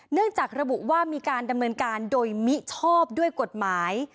เนื่องจากระบุว่ามีการดำเนินการโดยมิชอบด้วยกฎหมาย